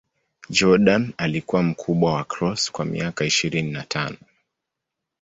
Jordan alikuwa mkubwa wa Cross kwa miaka ishirini na tano.